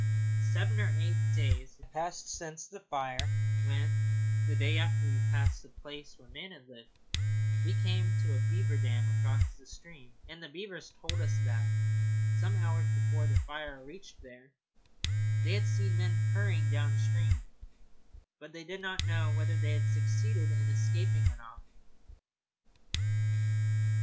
Seven or eight days had passed since the fire, when, the day after we passed the place where man had lived, we came to a beaver dam across the stream, and the beavers told us that, some hours before the fire reached there, they had seen the men hurrying downstream, but they did not know whether they had succeeded in escaping or not.